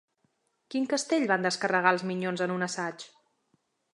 Quin castell van descarregar els Minyons en un assaig?